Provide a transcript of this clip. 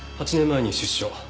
８年前に出所。